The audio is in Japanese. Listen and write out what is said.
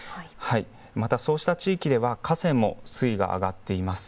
また、そうした地域では河川も水位が上がっています。